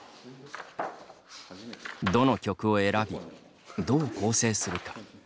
どの曲を選び、どう構成するか。